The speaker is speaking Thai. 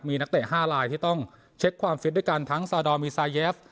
มีนักเตะ๕ลายที่ต้องเช็คความฟิตด้วยกันทั้งซาดอลมีซาเยฟ